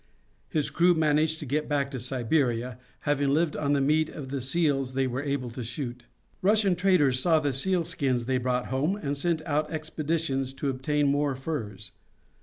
His crew managed to get back to Siberia, having lived on the meat of the seals they were able to shoot. Russian traders saw the sealskins they brought home, and sent out expeditions to obtain more furs.